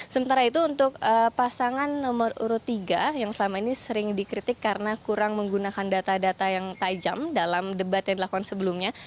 sementara itu untuk pasangan nomor urut tiga yang selama ini sering dikritik karena kurang menggunakan data data yang tajam dalam debat yang dilakukan sebelumnya